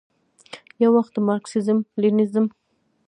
یووخت د مارکسیزم، لیننزم،